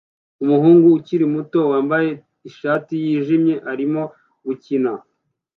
Umuhungu ukiri muto wambaye ishati yijimye arimo gukina